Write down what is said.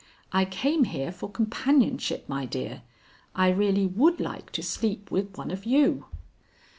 I came here for companionship, my dear. I really would like to sleep with one of you."